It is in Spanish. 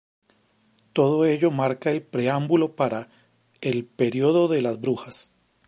Todo ello marca el preámbulo para ""El período de las brujas"".